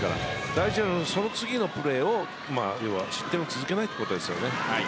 大事なのは、その次のプレー失点を続けないということですね。